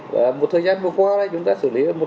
và một thời gian vừa qua chúng ta xử lý